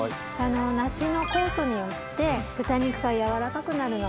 梨の酵素によって豚肉が軟らかくなるので。